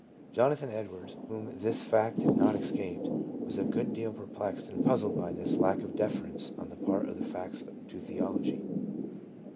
Jonathan Edwards, whom this fact had not escaped, was a good deal perplexed and puzzled by this lack of deference on the part of the facts to theology.